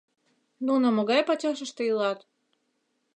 — Нуно могай пачашыште илат?